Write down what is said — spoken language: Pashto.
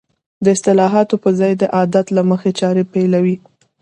د اصلاحاتو په ځای د عادت له مخې چارې پيلوي.